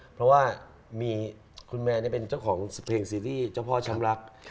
เพราะว่ามีคุณแมนเป็นเจ้าของเพลงซีรีส์เจ้าพ่อช้ำรัก